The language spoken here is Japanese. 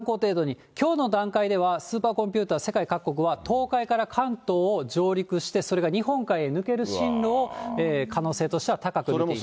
そうですね、きょうの段階ですが、参考程度に、きょうの段階ではスーパーコンピューター、世界各国は東海から関東を上陸して、それが日本海へ抜ける進路を可能性としては高く見ています。